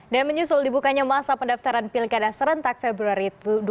dan menyusul dibukanya masa pendaftaran pilkada serentak februari dua ribu tujuh belas